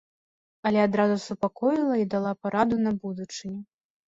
Але адразу супакоіла і дала параду на будучыню.